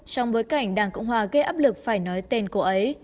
trong bối cảnh đảng cộng hòa gây áp lực phải nói tên cổ ấy